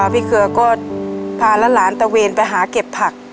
พี่เคือก็พาละหลานตะเวนไปหาเกือบผัก